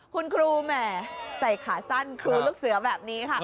คุณครูแหมใส่ขาสั้นครูลูกเสือแบบนี้ค่ะ